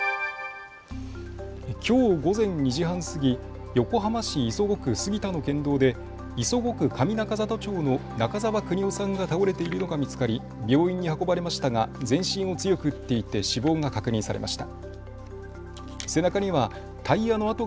きょう午前２時半過ぎ横浜市磯子区杉田の県道で磯子区上中里町の中澤國夫さんが倒れているのが見つかり病院に運ばれましたが全身を強く打っていて死亡が確認されました。